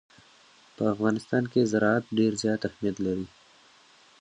په افغانستان کې زراعت ډېر زیات اهمیت لري.